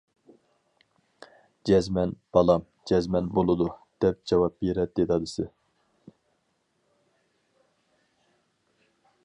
- جەزمەن، بالام، جەزمەن بولىدۇ،- دەپ جاۋاب بېرەتتى دادىسى.